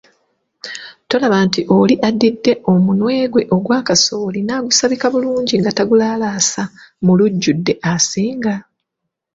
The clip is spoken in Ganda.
Tolaba nti oli addidde omunwe gwe ogwa kasooli n'agusabika bulungi nga tagulaalasa mu lujjudde asinga.